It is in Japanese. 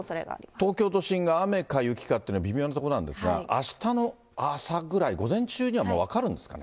東京都心が雨か雪かって、微妙なところなんですが、あしたの朝ぐらい、午前中にはもう分かるんですかね。